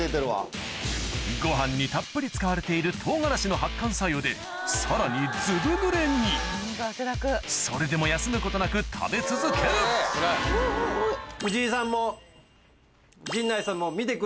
ご飯にたっぷり使われている唐辛子の発汗作用でさらにずぶぬれにそれでも休むことなく食べ続けると思うんで。